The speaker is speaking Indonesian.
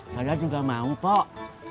saya juga mau pok